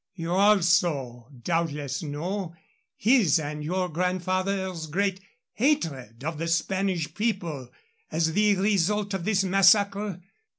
_ You also doubtless know his and your grandfather's great hatred of the Spanish people as the result of this massacre?